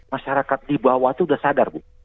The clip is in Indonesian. masyarakat di bawah itu sudah sadar bu